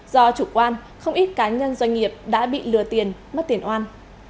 do chủ quan không ít cá nhân doanh nghiệp đã bị lừa tiền mất tiền oan